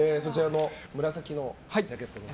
紫のジャケットの方。